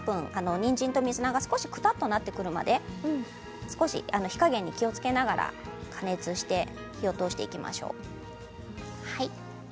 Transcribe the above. にんじんと水菜が少しくたっとなるまで少し火加減に気をつけながら加熱して火を通していきましょう。